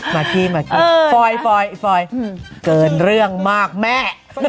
มากกี้มากพ่อยเกินเรื่องมากแม่